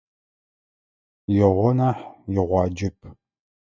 Игъо нахь, игъуаджэп.